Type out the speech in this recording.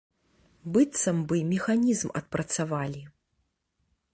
Быццам бы механізм адпрацавалі.